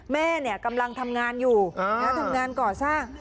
แม่กำลังทำงานอยู่ทำงานก่อสร้าง